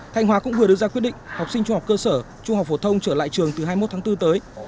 thanh hóa cũng vừa đưa ra quyết định học sinh trung học cơ sở trung học phổ thông trở lại trường từ hai mươi một tháng bốn tới